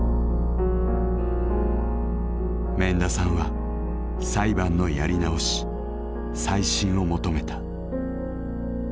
免田さんは裁判のやり直し再審を求めた。